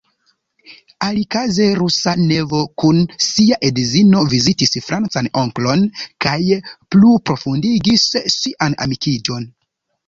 Alikaze rusa nevo kun sia edzino vizitis francan onklon kaj pluprofondigis sian amikiĝon.